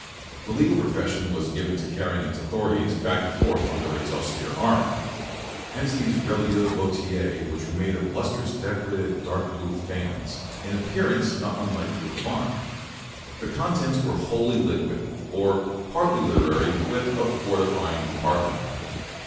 The legal profession was given to carrying its authorities back and forth under its austere arm. Hence these reliures bouteiUe which were made of lustrous decorated dark blue faience, in appearance not unlike tooled levant. The contents were wholly liquid or partly literary with a fortifying compartment.